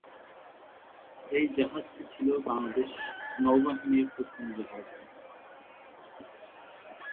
এই জাহাজটি ছিল বাংলাদেশ নৌবাহিনীর প্রথম জাহাজ।